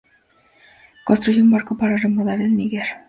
Construyó un barco para remontar el Níger.